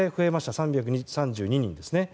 ３３２人ですね。